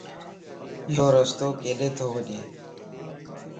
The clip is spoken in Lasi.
يورستو ڪيڏي تو وڃ؟